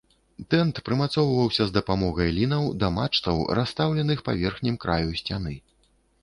Тэнт прымацоўваўся з дапамогай лінаў да мачтаў, расстаўленых па верхнім краю сцяны.